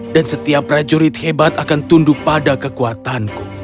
dan setiap prajurit hebat akan tunduk pada kekuatanku